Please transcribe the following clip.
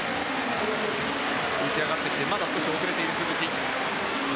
浮き上がってきてまだ少し遅れている鈴木聡美。